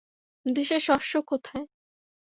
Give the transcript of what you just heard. দেশে শস্য কোথায়?